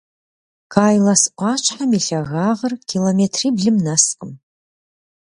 Кайлас ӏуащхьэм и лъагагъыр километриблым нэскъым.